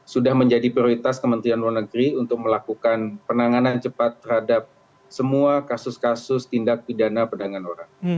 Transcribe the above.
sudah menjadi prioritas kementerian luar negeri untuk melakukan penanganan cepat terhadap semua kasus kasus tindak pidana perdagangan orang